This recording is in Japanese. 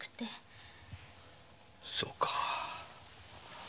そうか。